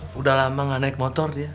sudah lama nggak naik motor dia